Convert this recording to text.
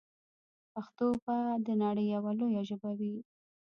پښتو به د نړۍ یوه لویه ژبه وي.